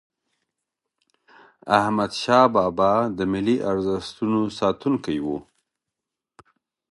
احمدشاه بابا د ملي ارزښتونو ساتونکی و.